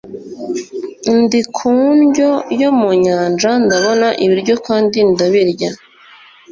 ndi ku ndyo yo mu nyanja. ndabona ibiryo, kandi ndabirya